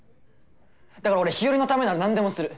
だから俺日和のためならなんでもする。